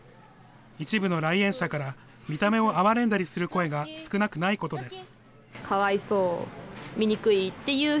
一部の来園者から、見た目を哀れんだりする声が少なくないことです。